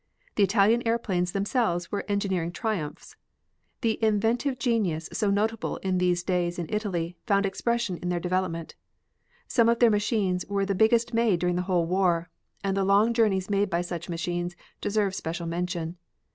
The Italian airplanes themselves were engineering triumphs. The inventive genius so notable in these days in Italy found expression in their development. Some of their machines were the biggest made during the whole war, and the long journeys made by such machines deserve special mention.